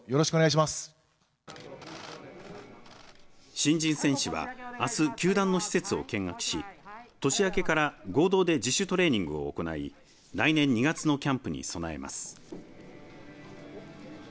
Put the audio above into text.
新人選手はあす球団の施設を見学し年明けから合同で自主トレーニングを行い来年２月のキャンプに備えます。